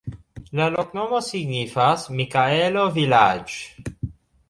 La loknomo signifas: Mikaelo-vilaĝ'.